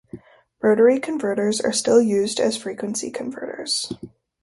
Rotary converters are still used as frequency converters.